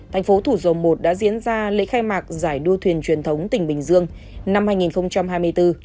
thành phố thủ dầu một đã diễn ra lễ khai mạc giải đua thuyền truyền thống tỉnh bình dương năm hai nghìn hai mươi bốn